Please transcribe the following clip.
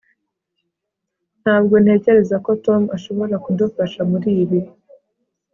ntabwo ntekereza ko tom ashobora kudufasha muri ibi